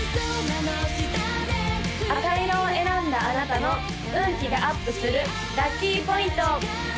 赤色を選んだあなたの運気がアップするラッキーポイント！